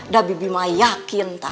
dabibi mah yakin tah